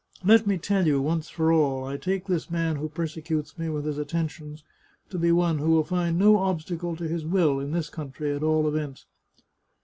Let me tell you, once for all, I take this man who persecutes me with his attentions to be one who will find no obstacle to his will, in this country, at all events."